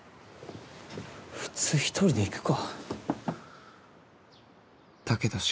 普通一人で行くか？